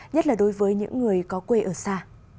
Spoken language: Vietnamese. nhất là đối với những người có quê ở xa